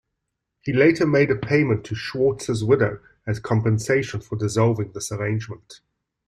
He later made a payment to Schwartz's widow as compensation for dissolving this arrangement.